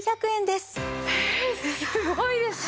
すごいですね。